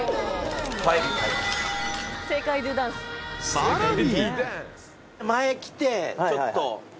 ［さらに］